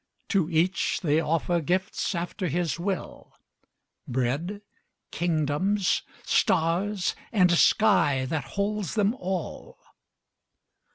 To each they offer gifts after his will, Bread, kingdoms, stars, and sky that holds them all.